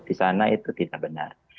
di sana itu tidak benar